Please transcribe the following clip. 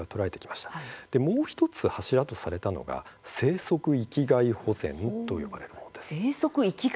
そして、もう１つ柱とされたのは生息域外保全といわれるものです。